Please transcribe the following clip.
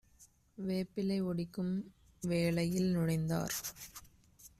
வேப்பிலை ஒடிக்கும் வேலையில் நுழைந்தார்.